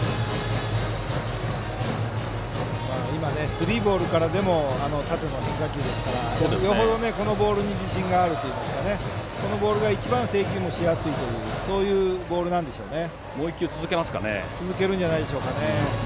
スリーボールからでも縦の変化球ですからよほどこのボールに自信があるといいますかこのボールが一番制球しやすいボールなんでしょうね。